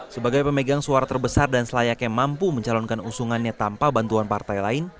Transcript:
sebagai pemegang suara terbesar dan selayaknya mampu mencalonkan usungannya tanpa bantuan partai lain